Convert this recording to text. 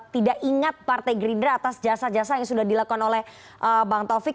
tidak ingat partai gerindra atas jasa jasa yang sudah dilakukan oleh bang taufik